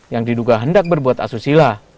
yang diduga hendak berbuat asusila